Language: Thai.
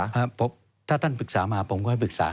เพราะถ้าท่านปรึกษามาผมก็ให้ปรึกษา